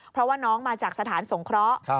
เพราะว่าน้องมาจากสถานสงเคราะห์